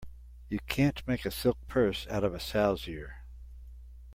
You can't make a silk purse out of a sow's ear.